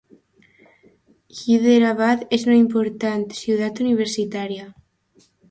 Hyderābād és una important ciutat universitària.